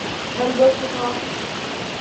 Elles bossent au noir.